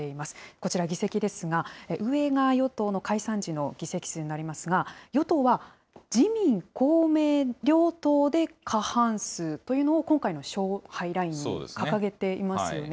こちら、議席ですが、上が与党の解散時の議席数になりますが、与党は自民、公明両党で過半数というのを、今回の勝敗ラインに掲げていますよね。